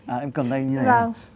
à em cầm tay anh như thế này